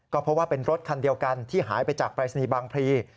ก็เพราะว่าเป็นรถคันเดียวกันที่หายไปจากปรายศนีย์บางพลี